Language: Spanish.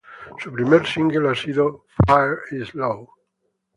Su primer single ha sido "Fire is low".